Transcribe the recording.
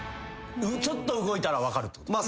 ちょっと動いたら分かるってこと？